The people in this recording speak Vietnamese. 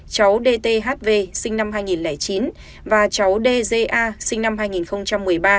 cháu dthv sinh năm hai nghìn chín và cháu dza sinh năm hai nghìn một mươi ba